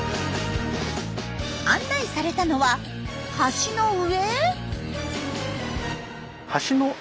案内されたのは橋の上？